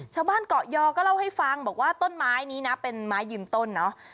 ชาวบ้านเกาะยอก็เล่าให้ฟังบอกว่าต้นไม้นี้นะเป็นไม้ยืนต้นเนาะ